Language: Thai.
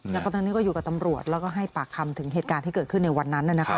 แล้วก็ตอนนี้ก็อยู่กับตำรวจแล้วก็ให้ปากคำถึงเหตุการณ์ที่เกิดขึ้นในวันนั้น